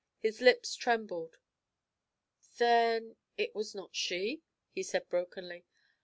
His lips trembled. 'Then it was not she?' he said brokenly.